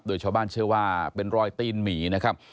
โดยชาวบ้านเชื่อว่าเป็นรอยตีนหมีนะครับ